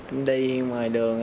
em đi ngoài đường